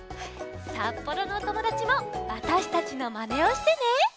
札幌のおともだちもわたしたちのまねをしてね！